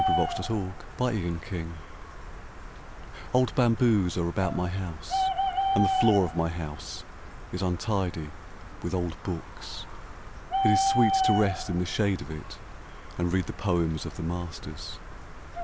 _ ANNAM THE BAMBOO GARDEN Old bamboos are about my house, And the floor of my house is untidy with old books. It is sweet to rest in the shade of it And read the poems of the masters.